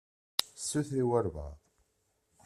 Suter i walebɛaḍ.